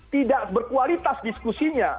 tidak berkualitas diskusinya